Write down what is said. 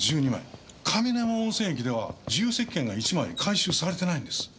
かみのやま温泉駅では自由席券が１枚回収されていないんです。